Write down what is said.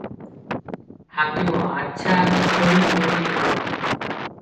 ହାକିମ 'ଆଚ୍ଛା' କହି ତୁନି ହେଲେ ।